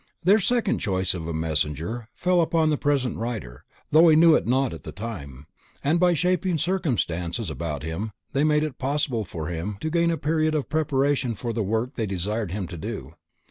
Their second choice of a messenger fell upon the present writer, though he knew it not at the time, and by shaping circumstances about him they made it possible for him to begin a period of preparation for the work they desired him to do.